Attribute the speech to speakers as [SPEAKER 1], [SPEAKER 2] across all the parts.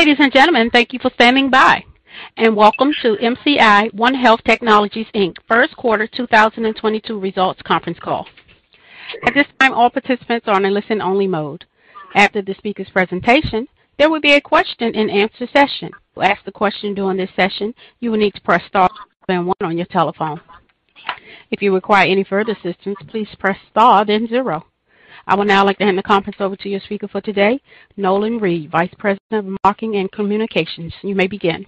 [SPEAKER 1] Ladies and gentlemen, thank you for standing by, and welcome to MCI OneHealth Technologies, Inc. First Quarter 2022 Results Conference Call. At this time, all participants are in listen only mode. After the speaker's presentation, there will be a question-and-answer session. To ask the question during this session, you will need to press star then one on your telephone. If you require any further assistance, please press star then zero. I would now like to hand the conference over to your speaker for today, Nolan Reid, Vice President of Marketing and Communications. You may begin.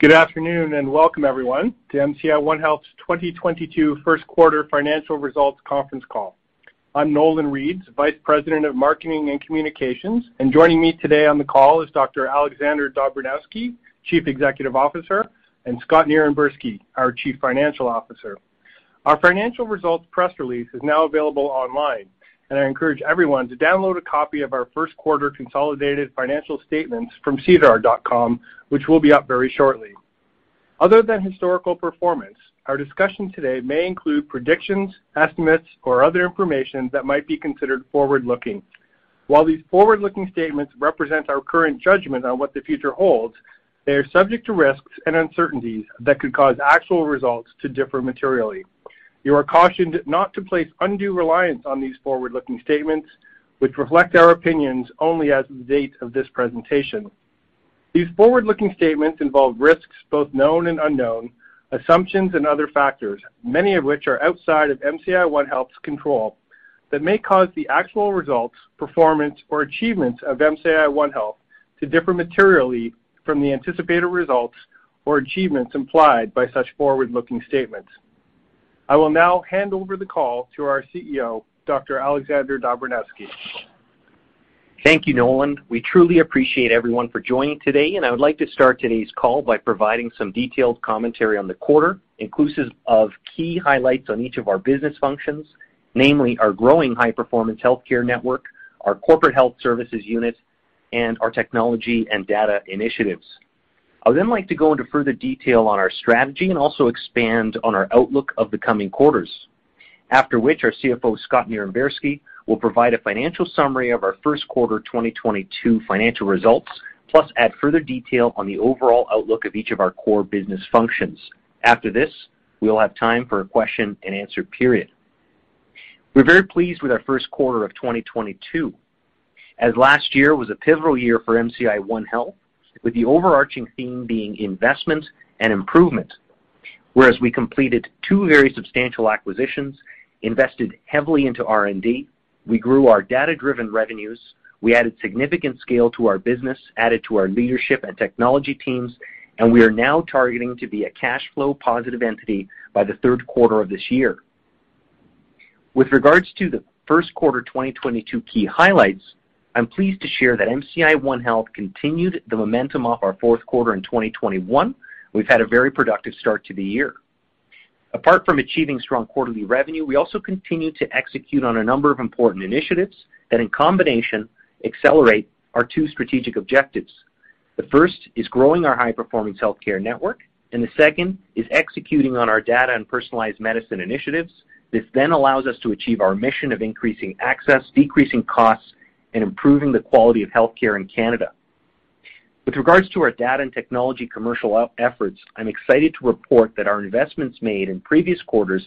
[SPEAKER 2] Good afternoon and welcome everyone to MCI OneHealth 2022 First Quarter Financial Results Conference Call. I'm Nolan Reid, Vice President of Marketing and Communications, and joining me today on the call is Dr. Alexander Dobranowski, Chief Executive Officer, and Scott Nirenberski, our Chief Financial Officer. Our financial results press release is now available online, and I encourage everyone to download a copy of our first quarter consolidated financial statements from sedar.com, which will be up very shortly. Other than historical performance, our discussion today may include predictions, estimates or other information that might be considered forward-looking. While these forward-looking statements represent our current judgment on what the future holds, they are subject to risks and uncertainties that could cause actual results to differ materially. You are cautioned not to place undue reliance on these forward-looking statements which reflect our opinions only as of the date of this presentation. These forward-looking statements involve risks, both known and unknown, assumptions and other factors, many of which are outside of MCI OneHealth's control that may cause the actual results, performance or achievements of MCI OneHealth to differ materially from the anticipated results or achievements implied by such forward-looking statements. I will now hand over the call to our CEO, Dr. Alexander Dobranowski.
[SPEAKER 3] Thank you, Nolan. We truly appreciate everyone for joining today, and I would like to start today's call by providing some detailed commentary on the quarter, inclusive of key highlights on each of our business functions, namely our growing high performance healthcare network, our corporate health services unit, and our technology and data initiatives. I would then like to go into further detail on our strategy and also expand on our outlook of the coming quarters. After which our CFO, Scott Nirenberski, will provide a financial summary of our first quarter 2022 financial results, plus add further detail on the overall outlook of each of our core business functions. After this, we will have time for a question-and-answer period. We're very pleased with our first quarter of 2022, as last year was a pivotal year for MCI OneHealth, with the overarching theme being investment and improvement. Whereas we completed two very substantial acquisitions, invested heavily into R&D, we grew our data-driven revenues, we added significant scale to our business, added to our leadership and technology teams, and we are now targeting to be a cash flow positive entity by the third quarter of this year. With regards to the first quarter 2022 key highlights, I'm pleased to share that MCI OneHealth continued the momentum of our fourth quarter in 2021. We've had a very productive start to the year. Apart from achieving strong quarterly revenue, we also continue to execute on a number of important initiatives that in combination accelerate our two strategic objectives. The first is growing our high performance healthcare network, and the second is executing on our data and personalized medicine initiatives. This then allows us to achieve our mission of increasing access, decreasing costs and improving the quality of healthcare in Canada. With regards to our data and technology commercial efforts, I'm excited to report that our investments made in previous quarters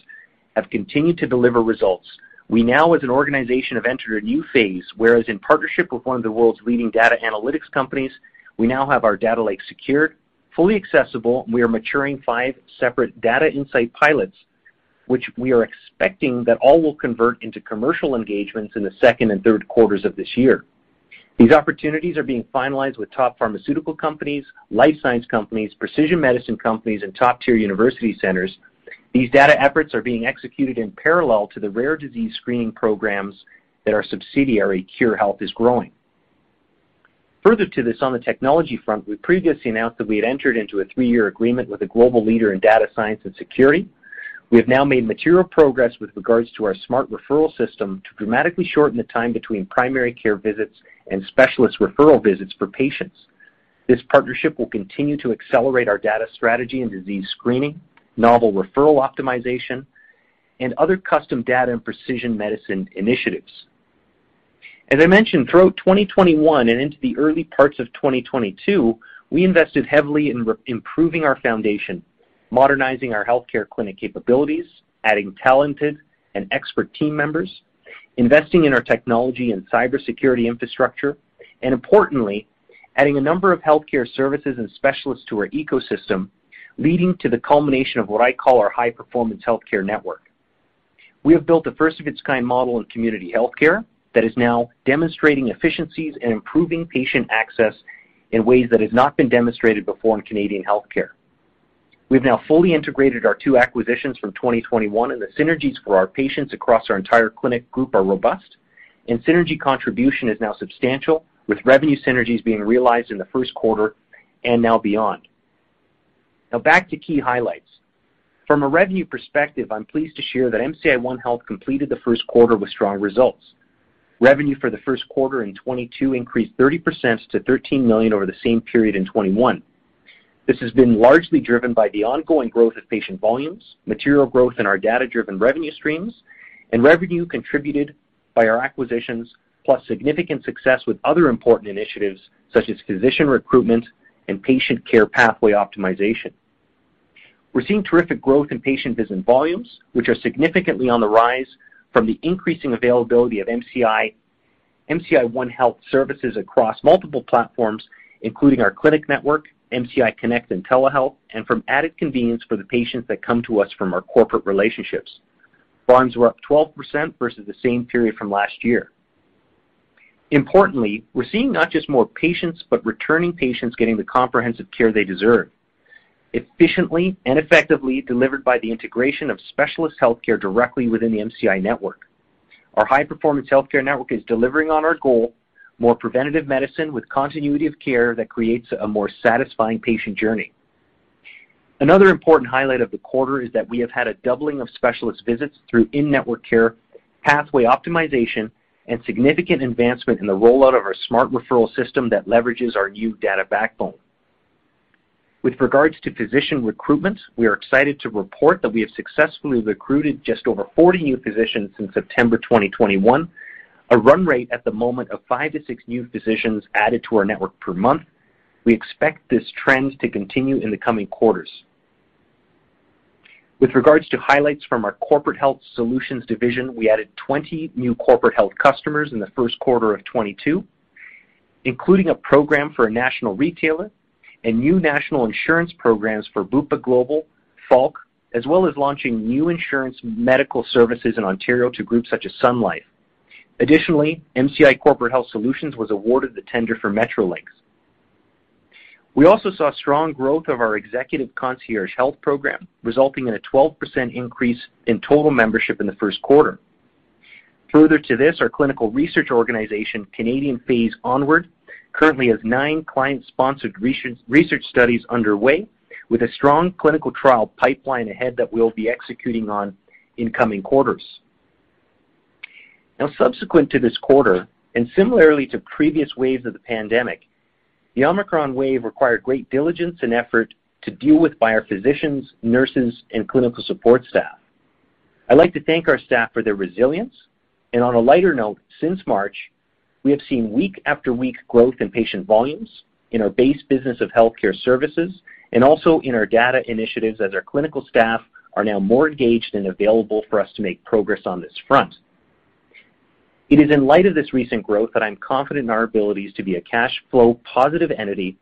[SPEAKER 3] have continued to deliver results. We now as an organization have entered a new phase, whereas in partnership with one of the world's leading data analytics companies, we now have our data lake secured, fully accessible, and we are maturing five separate data insight pilots, which we are expecting that all will convert into commercial engagements in the second and third quarters of this year. These opportunities are being finalized with top pharmaceutical companies, life science companies, precision medicine companies and top tier university centers. These data efforts are being executed in parallel to the rare disease screening programs that our subsidiary, Khure Health, is growing. Further to this, on the technology front, we previously announced that we had entered into a 3-year agreement with a global leader in data science and security. We have now made material progress with regards to our smart referral system to dramatically shorten the time between primary care visits and specialist referral visits for patients. This partnership will continue to accelerate our data strategy and disease screening, novel referral optimization and other custom data and precision medicine initiatives. As I mentioned, throughout 2021 and into the early parts of 2022, we invested heavily in re-improving our foundation, modernizing our healthcare clinic capabilities, adding talented and expert team members, investing in our technology and cybersecurity infrastructure, and importantly, adding a number of healthcare services and specialists to our ecosystem, leading to the culmination of what I call our high performance healthcare network. We have built a first of its kind model in community healthcare that is now demonstrating efficiencies and improving patient access in ways that has not been demonstrated before in Canadian healthcare. We've now fully integrated our two acquisitions from 2021, and the synergies for our patients across our entire clinic group are robust. Synergy contribution is now substantial, with revenue synergies being realized in the first quarter and now beyond. Now back to key highlights. From a revenue perspective, I'm pleased to share that MCI OneHealth completed the first quarter with strong results. Revenue for the first quarter in 2022 increased 30% to 13 million over the same period in 2021. This has been largely driven by the ongoing growth of patient volumes, material growth in our data-driven revenue streams, and revenue contributed by our acquisitions, plus significant success with other important initiatives such as physician recruitment and patient care pathway optimization. We're seeing terrific growth in patient visit volumes, which are significantly on the rise from the increasing availability of MCI OneHealth services across multiple platforms, including our clinic network, MCI Connect and Telehealth, and from added convenience for the patients that come to us from our corporate relationships. Volumes were up 12% versus the same period from last year. Importantly, we're seeing not just more patients, but returning patients getting the comprehensive care they deserve, efficiently and effectively delivered by the integration of specialist healthcare directly within the MCI network. Our high-performance healthcare network is delivering on our goal, more preventative medicine with continuity of care that creates a more satisfying patient journey. Another important highlight of the quarter is that we have had a doubling of specialist visits through in-network care, pathway optimization, and significant advancement in the rollout of our smart referral system that leverages our new data backbone. With regards to physician recruitment, we are excited to report that we have successfully recruited just over 40 new physicians since September 2021, a run rate at the moment of five to six new physicians added to our network per month. We expect this trend to continue in the coming quarters. With regards to highlights from our Corporate Health Solutions division, we added 20 new corporate health customers in the first quarter of 2022, including a program for a national retailer and new national insurance programs for Bupa Global, Falck, as well as launching new insurance medical services in Ontario to groups such as Sun Life. MCI Corporate Health Solutions was awarded the tender for Metrolinx. We also saw strong growth of our executive concierge health program, resulting in a 12% increase in total membership in the first quarter. Further to this, our clinical research organization, Canadian Phase Onward, currently has nine client-sponsored research studies underway, with a strong clinical trial pipeline ahead that we'll be executing on in coming quarters. Now, subsequent to this quarter, and similarly to previous waves of the pandemic, the Omicron wave required great diligence and effort to deal with by our physicians, nurses, and clinical support staff. I'd like to thank our staff for their resilience. On a lighter note, since March, we have seen week after week growth in patient volumes in our base business of healthcare services and also in our data initiatives as our clinical staff are now more engaged and available for us to make progress on this front. It is in light of this recent growth that I'm confident in our abilities to be a cash flow positive entity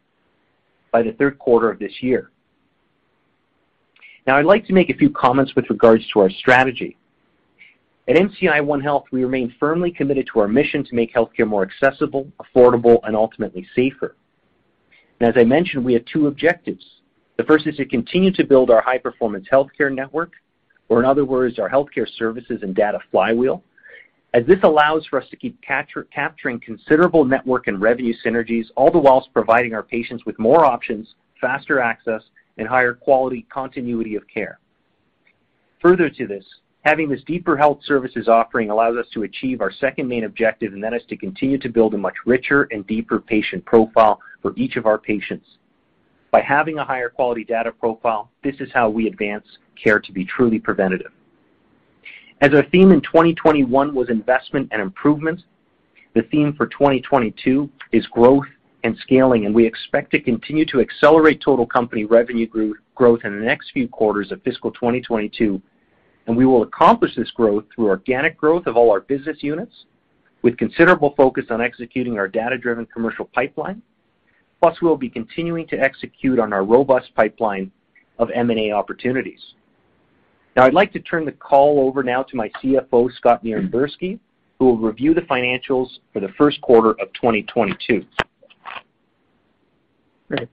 [SPEAKER 3] by the third quarter of this year. Now, I'd like to make a few comments with regards to our strategy. At MCI OneHealth, we remain firmly committed to our mission to make healthcare more accessible, affordable, and ultimately safer. As I mentioned, we have two objectives. The first is to continue to build our high-performance healthcare network, or in other words, our healthcare services and data flywheel, as this allows for us to keep capturing considerable network and revenue synergies, all the while providing our patients with more options, faster access, and higher quality continuity of care. Further to this, having this deeper health services offering allows us to achieve our second main objective, and that is to continue to build a much richer and deeper patient profile for each of our patients. By having a higher quality data profile, this is how we advance care to be truly preventative. As our theme in 2021 was investment and improvement, the theme for 2022 is growth and scaling, and we expect to continue to accelerate total company revenue growth in the next few quarters of fiscal 2022, and we will accomplish this growth through organic growth of all our business units with considerable focus on executing our data-driven commercial pipeline. Plus, we'll be continuing to execute on our robust pipeline of M&A opportunities. Now I'd like to turn the call over now to my CFO, Scott Nirenberski, who will review the financials for the first quarter of 2022.
[SPEAKER 4] Great.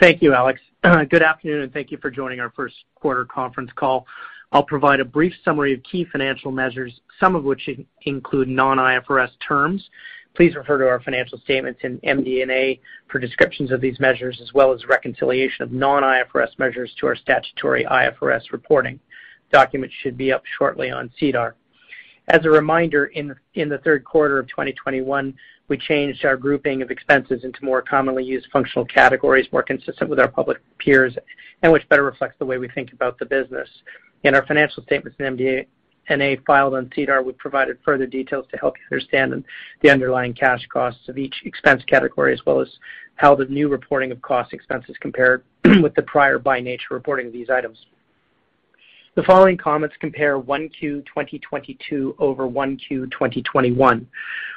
[SPEAKER 4] Thank you, Alex. Good afternoon, and thank you for joining our first quarter conference call. I'll provide a brief summary of key financial measures, some of which include non-IFRS terms. Please refer to our financial statements in MD&A for descriptions of these measures, as well as reconciliation of non-IFRS measures to our statutory IFRS reporting. Documents should be up shortly on SEDAR. As a reminder, in the third quarter of 2021, we changed our grouping of expenses into more commonly used functional categories, more consistent with our public peers, and which better reflects the way we think about the business. In our financial statements and MD&A filed on SEDAR, we provided further details to help you understand the underlying cash costs of each expense category, as well as how the new reporting of cost expenses compared with the prior by-nature reporting of these items. The following comments compare 1Q 2022 over 1Q 2021.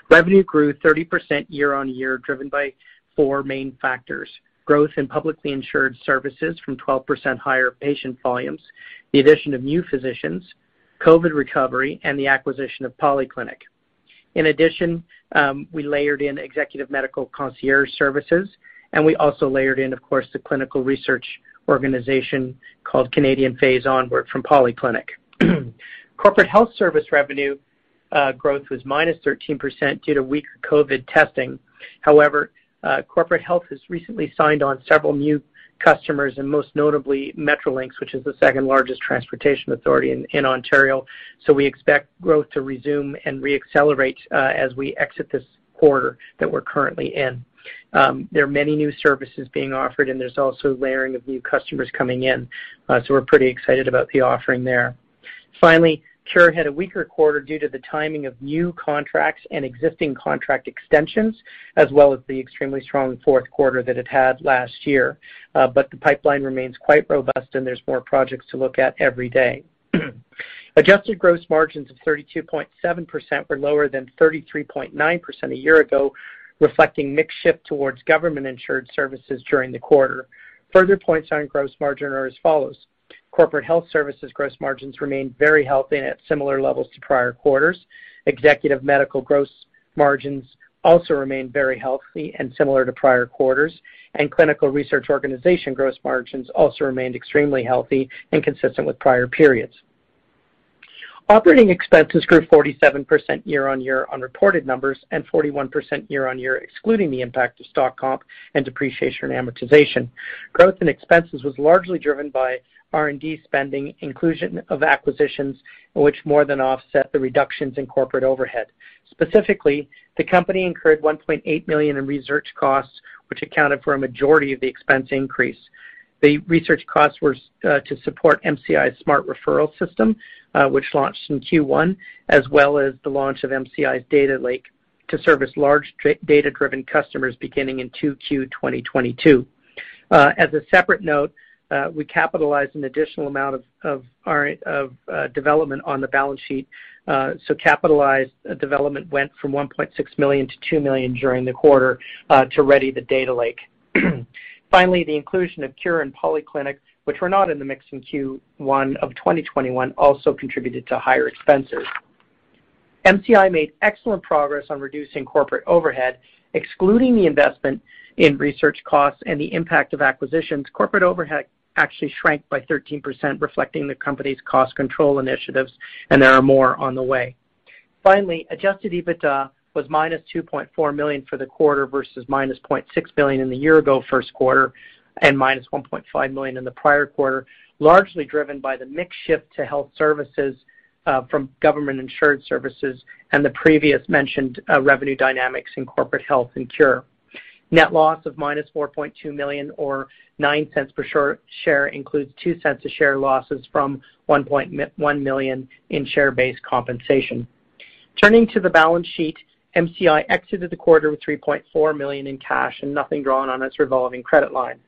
[SPEAKER 4] Revenue grew 30% year-over-year, driven by four main factors. Growth in publicly insured services from 12% higher patient volumes, the addition of new physicians, COVID recovery, and the acquisition of Polyclinic. In addition, we layered in executive medical concierge services, and we also layered in, of course, the clinical research organization called Canadian Phase Onward from Polyclinic. Corporate health service revenue growth was -13% due to weaker COVID testing. However, corporate health has recently signed on several new customers and most notably Metrolinx, which is the second-largest transportation authority in Ontario. We expect growth to resume and re-accelerate as we exit this quarter that we're currently in. There are many new services being offered, and there's also layering of new customers coming in, so we're pretty excited about the offering there. Finally, Khure had a weaker quarter due to the timing of new contracts and existing contract extensions, as well as the extremely strong fourth quarter that it had last year. The pipeline remains quite robust, and there's more projects to look at every day. Adjusted gross margins of 32.7% were lower than 33.9% a year ago, reflecting mix shift towards government-insured services during the quarter. Further points on gross margin are as follows. Corporate health services gross margins remained very healthy and at similar levels to prior quarters. Executive medical gross margins also remained very healthy and similar to prior quarters, and clinical research organization gross margins also remained extremely healthy and consistent with prior periods. Operating expenses grew 47% year-over-year on reported numbers and 41% year-over-year, excluding the impact of stock comp and depreciation amortization. Growth in expenses was largely driven by R&D spending, inclusion of acquisitions, which more than offset the reductions in corporate overhead. Specifically, the company incurred 1.8 million in research costs, which accounted for a majority of the expense increase. The research costs were to support MCI's smart referral system, which launched in Q1, as well as the launch of MCI's data lake to service large data-driven customers beginning in 2Q 2022. As a separate note, we capitalized an additional amount of our development on the balance sheet. So capitalized development went from 1.6 million to 2 million during the quarter, to ready the data lake. Finally, the inclusion of Khure and Polyclinic, which were not in the mix in Q1 of 2021, also contributed to higher expenses. MCI made excellent progress on reducing corporate overhead. Excluding the investment in research costs and the impact of acquisitions, corporate overhead actually shrank by 13%, reflecting the company's cost control initiatives, and there are more on the way. Finally, adjusted EBITDA was -2.4 million for the quarter versus -0.6 million in the year-ago first quarter and -1.5 million in the prior quarter, largely driven by the mix shift to health services from government-insured services and the previously mentioned revenue dynamics in corporate health and Khure. Net loss of -4.2 million or 0.09 per share includes 0.02 per share losses from 1 million in share-based compensation. Turning to the balance sheet, MCI exited the quarter with 3.4 million in cash and nothing drawn on its revolving credit line.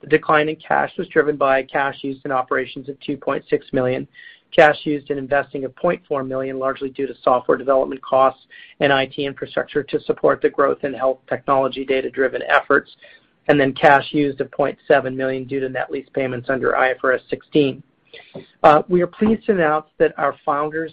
[SPEAKER 4] The decline in cash was driven by cash used in operations of 2.6 million, cash used in investing of 0.4 million, largely due to software development costs and IT infrastructure to support the growth in health technology data-driven efforts, and then cash used of 0.7 million due to net lease payments under IFRS 16. We are pleased to announce that our founders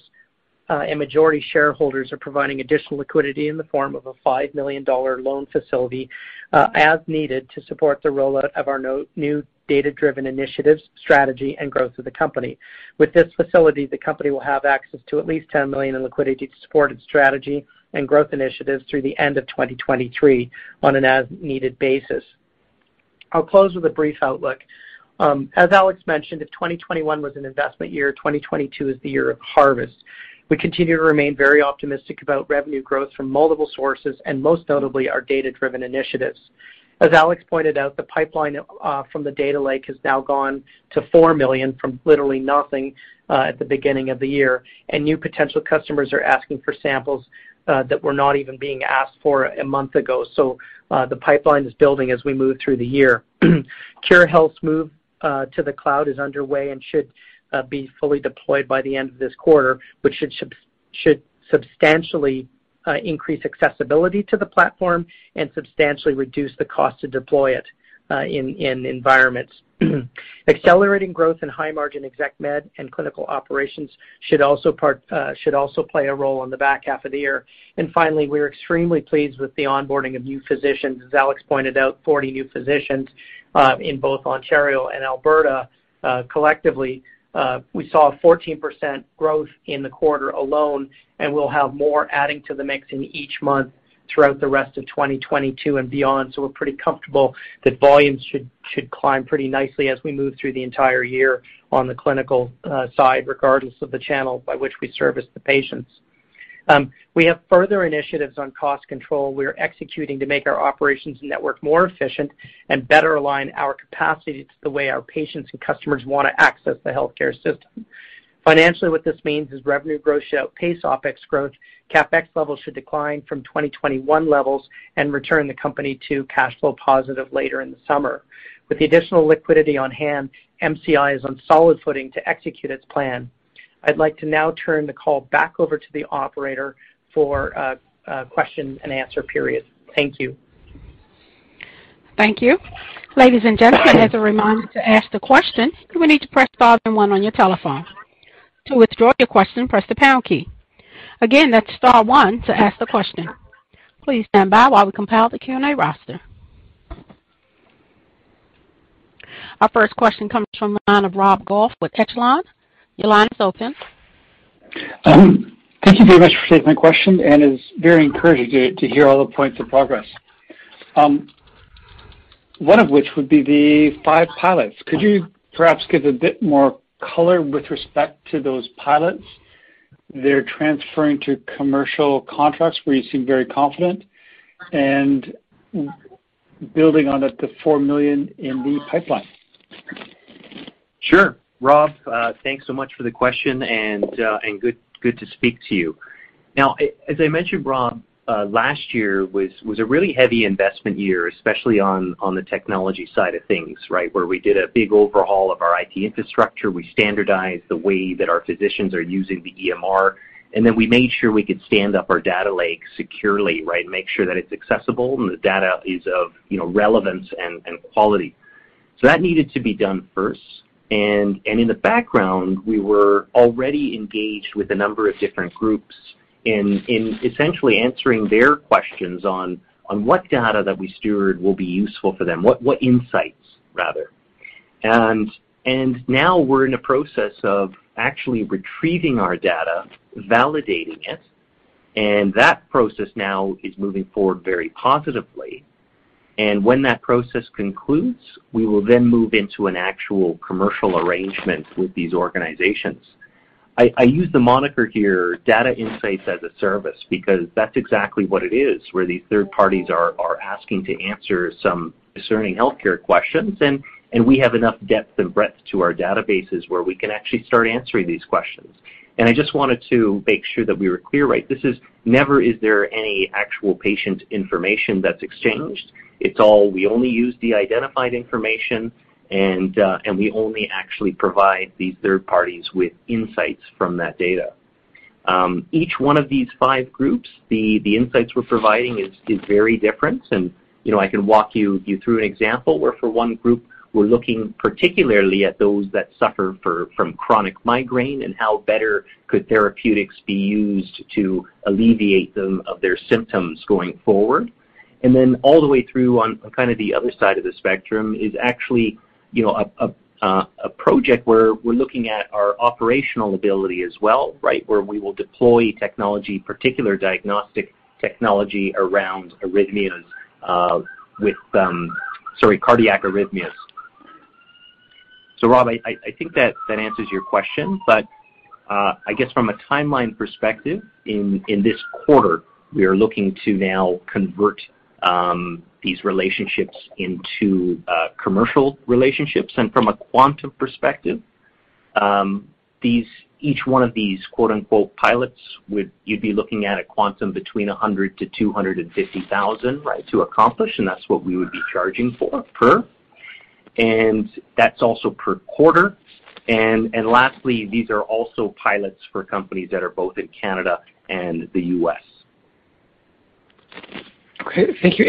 [SPEAKER 4] and majority shareholders are providing additional liquidity in the form of a 5 million dollar loan facility as needed to support the rollout of our new data-driven initiatives, strategy, and growth of the company. With this facility, the company will have access to at least 10 million in liquidity to support its strategy and growth initiatives through the end of 2023 on an as-needed basis. I'll close with a brief outlook. As Alex mentioned, if 2021 was an investment year, 2022 is the year of harvest. We continue to remain very optimistic about revenue growth from multiple sources and most notably, our data-driven initiatives. As Alex pointed out, the pipeline from the data lake has now gone to 4 million from literally nothing at the beginning of the year, and new potential customers are asking for samples that were not even being asked for a month ago. The pipeline is building as we move through the year. Khure Health's move to the cloud is underway and should be fully deployed by the end of this quarter, which should substantially increase accessibility to the platform and substantially reduce the cost to deploy it in environments. Accelerating growth in high margin exec med and clinical operations should also play a role in the back half of the year. Finally, we are extremely pleased with the onboarding of new physicians. As Alex pointed out, 40 new physicians in both Ontario and Alberta. Collectively, we saw a 14% growth in the quarter alone, and we'll have more adding to the mix in each month throughout the rest of 2022 and beyond. We're pretty comfortable that volumes should climb pretty nicely as we move through the entire year on the clinical side, regardless of the channel by which we service the patients. We have further initiatives on cost control we are executing to make our operations and network more efficient and better align our capacity to the way our patients and customers wanna access the healthcare system. Financially, what this means is revenue growth should outpace OpEx growth, CapEx levels should decline from 2021 levels and return the company to cash flow positive later in the summer. With the additional liquidity on hand, MCI is on solid footing to execute its plan. I'd like to now turn the call back over to the operator for a question and answer period. Thank you.
[SPEAKER 1] Thank you. Ladies and gentlemen, as a reminder, to ask the question, you will need to press star one on your telephone. To withdraw your question, press the pound key. Again, that's star one to ask the question. Please stand by while we compile the Q&A roster. Our first question comes from the line of Rob Goff with Echelon Capital Markets. Your line is open.
[SPEAKER 5] Thank you very much for taking my question, and it's very encouraging to hear all the points of progress. One of which would be the five pilots. Could you perhaps give a bit more color with respect to those pilots? They're transferring to commercial contracts where you seem very confident and building on up to 4 million in the pipeline.
[SPEAKER 3] Sure. Rob, thanks so much for the question, and good to speak to you. Now, as I mentioned, Rob, last year was a really heavy investment year, especially on the technology side of things, right? Where we did a big overhaul of our IT infrastructure. We standardized the way that our physicians are using the EMR, and then we made sure we could stand up our data lake securely, right? Make sure that it's accessible, and the data is of, you know, relevance and quality. So that needed to be done first. In the background, we were already engaged with a number of different groups in essentially answering their questions on what data that we steward will be useful for them, what insights, rather. Now we're in a process of actually retrieving our data, validating it, and that process now is moving forward very positively. When that process concludes, we will then move into an actual commercial arrangement with these organizations. I use the Moniker here, data Insights-as-a-Service, because that's exactly what it is, where these third parties are asking to answer some discerning healthcare questions. We have enough depth and breadth to our databases where we can actually start answering these questions. I just wanted to make sure that we were clear, right? There is never any actual patient information that's exchanged. We only use de-identified information, and we only actually provide these third parties with insights from that data. Each one of these five groups, the insights we're providing is very different. You know, I can walk you through an example where for one group, we're looking particularly at those that suffer from chronic migraine and how better could therapeutics be used to alleviate them of their symptoms going forward. Then all the way through on kind of the other side of the spectrum is actually, you know, a project where we're looking at our operational ability as well, right? Where we will deploy technology, particular diagnostic technology around cardiac arrhythmias. Rob, I think that answers your question. I guess from a timeline perspective, in this quarter, we are looking to now convert these relationships into commercial relationships. From a quantum perspective, each one of these "pilots" would—you'd be looking at a quote between $100,000-$250,000, right, to accomplish, and that's what we would be charging for, per. That's also per quarter. Lastly, these are also pilots for companies that are both in Canada and the U.S.
[SPEAKER 5] Okay, thank you.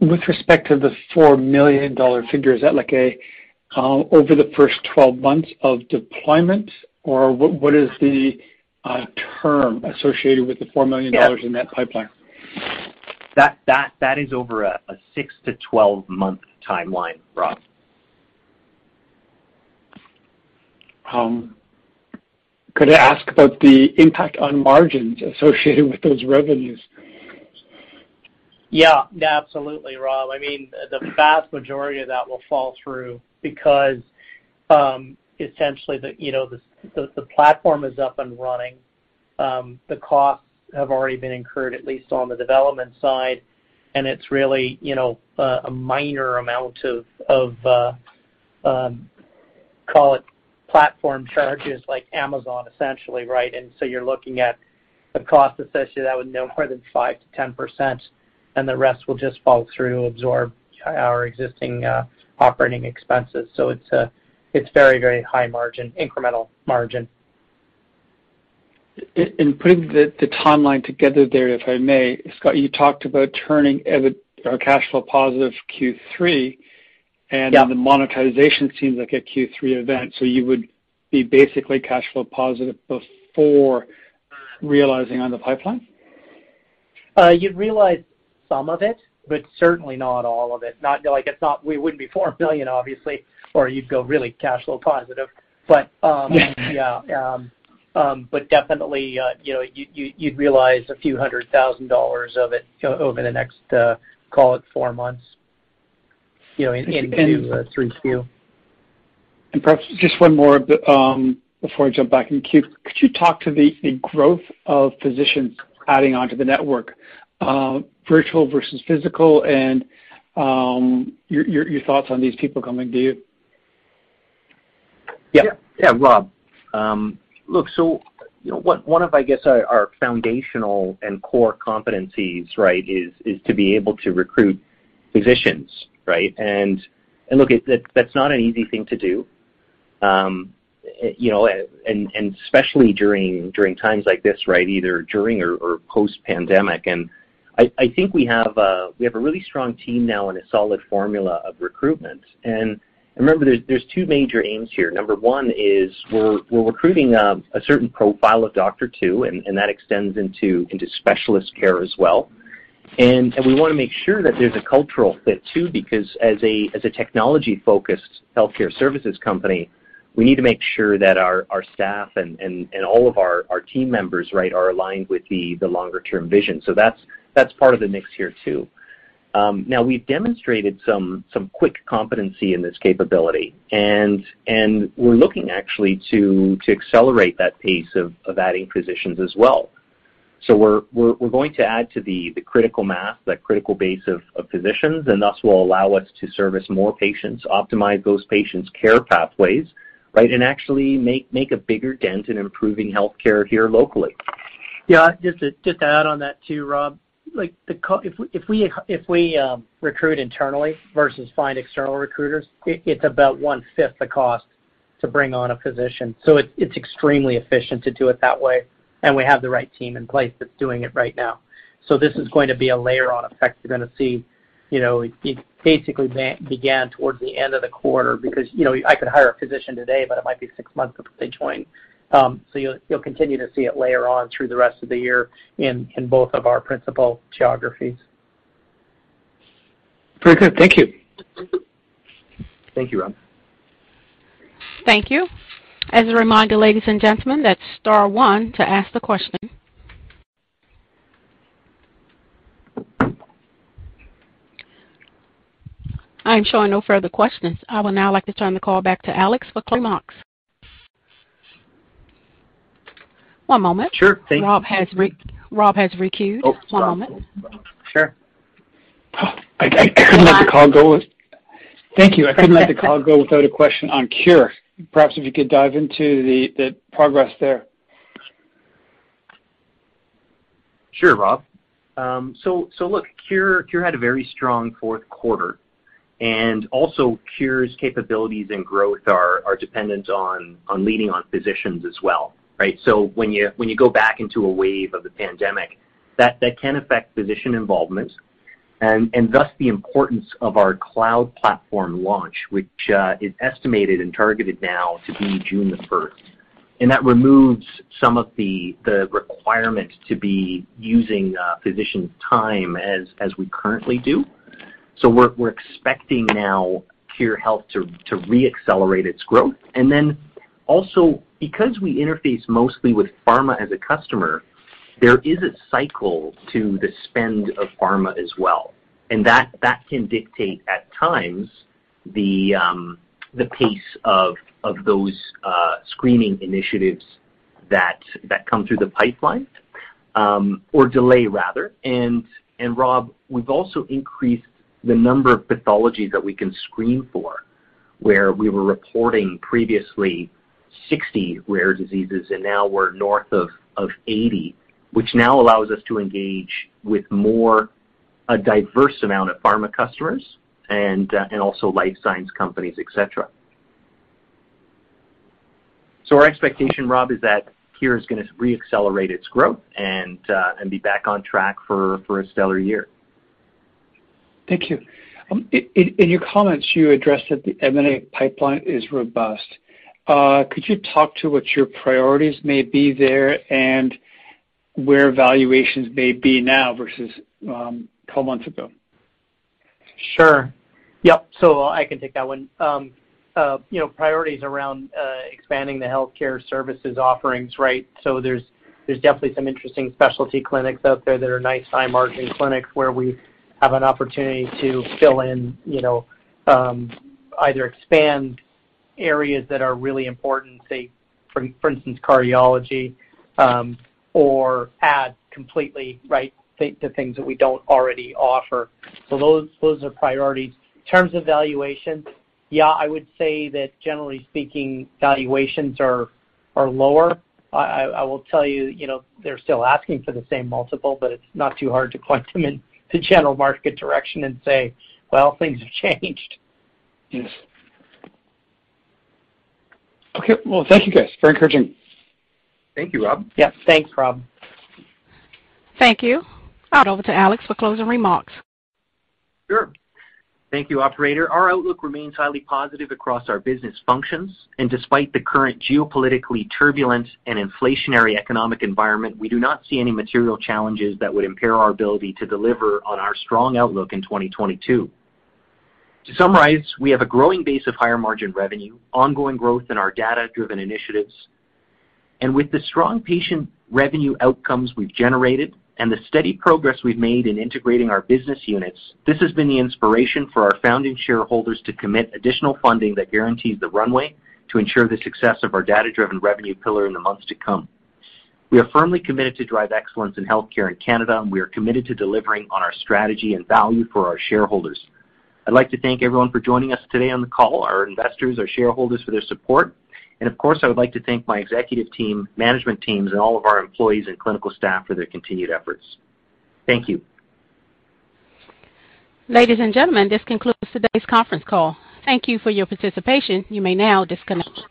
[SPEAKER 5] With respect to the 4 million dollar figure, is that like a over the first 12 months of deployment, or what is the term associated with the 4 million dollars?
[SPEAKER 3] Yeah.
[SPEAKER 5] in that pipeline?
[SPEAKER 3] That is over a 6-month to 12-month timeline, Rob.
[SPEAKER 5] Could I ask about the impact on margins associated with those revenues?
[SPEAKER 4] Yeah. Absolutely, Rob. I mean, the vast majority of that will fall through because, essentially the, you know, the platform is up and running. The costs have already been incurred, at least on the development side, and it's really, you know, a minor amount of call it platform charges like Amazon, essentially, right? You're looking at the costs associated with that no more than 5%-10%, and the rest will just fall through, absorb our existing operating expenses. It's very, very high margin, incremental margin.
[SPEAKER 5] In putting the timeline together there, if I may, Scott, you talked about turning cash flow positive Q3.
[SPEAKER 4] Yeah.
[SPEAKER 5] The monetization seems like a Q3 event, so you would be basically cash flow positive before realizing on the pipeline.
[SPEAKER 4] You'd realize some of it, but certainly not all of it. Not like we wouldn't be 4 million obviously, or you'd go really cash flow positive. Definitely, you know, you'd realize a few hundred thousand dollars of it over the next, call it 4 months, you know, into through Q.
[SPEAKER 5] Perhaps just one more, before I jump back in queue. Could you talk to the growth of physicians adding onto the network, virtual versus physical, and your thoughts on these people coming to you?
[SPEAKER 3] Yeah. Yeah, Rob. Look, one of our foundational and core competencies, right, is to be able to recruit physicians, right? Look, that's not an easy thing to do. You know, especially during times like this, right? Either during or post-pandemic. I think we have a really strong team now and a solid formula of recruitment. Remember, there's two major aims here. Number one is we're recruiting a certain profile of doctor too, and that extends into specialist care as well. We wanna make sure that there's a cultural fit too because as a technology-focused healthcare services company, we need to make sure that our staff and all of our team members, right, are aligned with the longer-term vision. That's part of the mix here too. Now we've demonstrated some quick competency in this capability, and we're looking actually to accelerate that pace of adding physicians as well. We're going to add to the critical mass, that critical base of physicians, and thus will allow us to service more patients, optimize those patients' care pathways, right? Actually make a bigger dent in improving healthcare here locally.
[SPEAKER 4] Yeah. Just to add on that too, Rob, like if we recruit internally versus find external recruiters, it's about one-fifth the cost to bring on a physician. It's extremely efficient to do it that way, and we have the right team in place that's doing it right now. This is going to be a layer on effect you're gonna see. You know, it basically began towards the end of the quarter because, you know, I could hire a physician today, but it might be six months until they join. You'll continue to see it layer on through the rest of the year in both of our principal geographies.
[SPEAKER 5] Very good. Thank you.
[SPEAKER 3] Thank you, Rob.
[SPEAKER 1] Thank you. As a reminder, ladies and gentlemen, that's star one to ask the question. I am showing no further questions. I would now like to turn the call back to Alex for closing remarks. One moment.
[SPEAKER 3] Sure thing.
[SPEAKER 1] Rob has re-queued. One moment.
[SPEAKER 4] Sure.
[SPEAKER 5] Oh, I couldn't let the call go with-
[SPEAKER 1] You're live.
[SPEAKER 5] Thank you. I couldn't let the call go without a question on Khure. Perhaps if you could dive into the progress there.
[SPEAKER 3] Sure, Rob. Look, Khure had a very strong fourth quarter, and also Khure's capabilities and growth are dependent on relying on physicians as well, right? When you go back into a wave of the pandemic, that can affect physician involvement and thus the importance of our cloud platform launch, which is estimated and targeted now to be June the first. That removes some of the requirement to be using physician time as we currently do. We're expecting now Khure Health to re-accelerate its growth. Because we interface mostly with pharma as a customer, there is a cycle to the spend of pharma as well. That can dictate at times the pace of those screening initiatives that come through the pipeline, or delay rather. Rob, we've also increased the number of pathologies that we can screen for, where we were reporting previously 60 rare diseases and now we're north of 80 rare diseases, which now allows us to engage with more diverse amount of pharma customers and also life science companies, etc. Our expectation, Rob, is that Khure is gonna re-accelerate its growth and be back on track for a stellar year.
[SPEAKER 5] Thank you. In your comments you addressed that the M&A pipeline is robust. Could you talk to what your priorities may be there and where valuations may be now versus 12 months ago?
[SPEAKER 4] Sure. Yep. I can take that one. You know, priorities around expanding the healthcare services offerings, right? There's definitely some interesting specialty clinics out there that are nice high margin clinics where we have an opportunity to fill in, you know, either expand areas that are really important, say for instance, cardiology, or add completely right to things that we don't already offer. Those are priorities. In terms of valuations, yeah, I would say that generally speaking, valuations are lower. I will tell you know, they're still asking for the same multiple, but it's not too hard to point them in the general market direction and say, "Well, things have changed.
[SPEAKER 5] Yes. Okay. Well, thank you guys. Very encouraging.
[SPEAKER 3] Thank you, Rob.
[SPEAKER 4] Yeah. Thanks, Rob.
[SPEAKER 1] Thank you. Back over to Alex for closing remarks.
[SPEAKER 3] Sure. Thank you, operator. Our outlook remains highly positive across our business functions. Despite the current geopolitically turbulent and inflationary economic environment, we do not see any material challenges that would impair our ability to deliver on our strong outlook in 2022. To summarize, we have a growing base of higher margin revenue, ongoing growth in our data-driven initiatives. With the strong patient revenue outcomes we've generated and the steady progress we've made in integrating our business units, this has been the inspiration for our founding shareholders to commit additional funding that guarantees the runway to ensure the success of our data-driven revenue pillar in the months to come. We are firmly committed to drive excellence in healthcare in Canada, and we are committed to delivering on our strategy and value for our shareholders. I'd like to thank everyone for joining us today on the call, our investors, our shareholders for their support. Of course, I would like to thank my executive team, management teams, and all of our employees and clinical staff for their continued efforts. Thank you.
[SPEAKER 1] Ladies and gentlemen, this concludes today's conference call. Thank you for your participation. You may now disconnect.